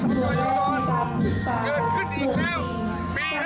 เกิดขึ้นอีกแล้วมีครับ